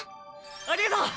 ありがとう！